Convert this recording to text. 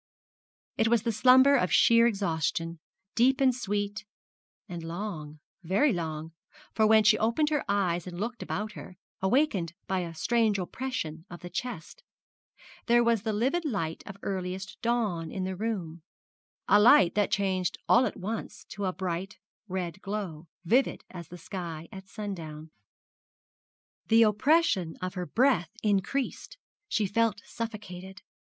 It was the slumber of sheer exhaustion, deep and sweet, and long very long; for when she opened her eyes and looked about her, awakened by a strange oppression of the chest, there was the livid light of earliest dawn in the room a light that changed all at once to a bright red glow, vivid as the sky at sundown. The oppression of her breath increased, she felt suffocated.